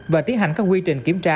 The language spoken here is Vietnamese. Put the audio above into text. và tiến hành các quy trình kiểm tra